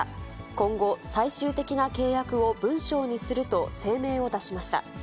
今後、最終的な契約を文章にすると声明を出しました。